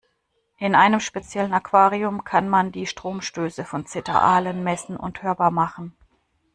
In einem speziellen Aquarium kann man die Stromstöße von Zitteraalen messen und hörbar machen.